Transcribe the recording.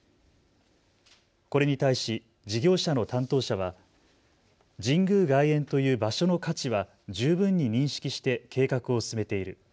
これに対し、事業者の担当者は神宮外苑という場所の価値は十分に認識して計画を進めている。